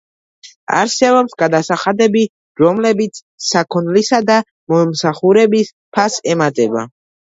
არსებობს გადასახადები, რომლებიც საქონლისა და მომსახურების ფასს ემატება.